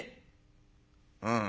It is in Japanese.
「うん」。